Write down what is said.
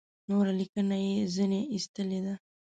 نوره لیکنه یې ځنې ایستلې ده.